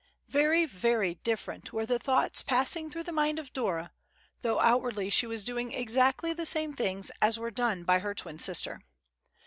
Very, very different were the thoughts passing through the mind of Dora, though outwardly she was doing exactly the same things as were done by her twin sister.